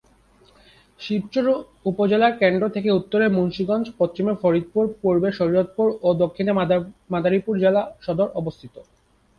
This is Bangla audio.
শিবচর উপজেলার কেন্দ্র থেকে উত্তরে মুন্সিগঞ্জ, পশ্চিমে ফরিদপুর, পূর্বে শরীয়তপুর ও দক্ষিণে মাদারীপুর জেলা সদর অবস্থিত।